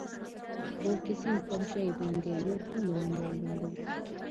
موږ د سیند پر ژۍ باندې نور هم وړاندې ولاړو.